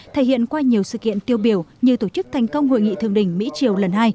thể hiện qua nhiều sự kiện tiêu biểu như tổ chức thành công hội nghị thượng đỉnh mỹ triều lần hai